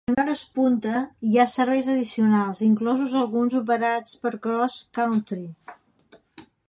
En hores punta hi ha serveis addicionals, inclosos alguns operats per CrossCountry.